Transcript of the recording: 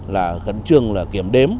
là khẩn trương là kiểm đếm